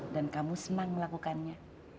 dan kamu senang melakukannya